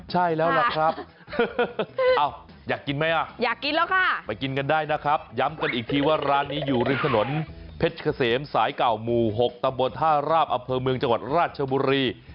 ใช่แล้วล่ะครับอยากกินไหมอ่ะอยากกินแล้วค่ะไปกินกันได้นะครับย้ำกันอีกทีว่าร้านนี้อยู่ริมถนนเพชรเกษมสายเก่าหมู่๖ตำบลท่าราบอำเภอเมืองจังหวัดราชบุรี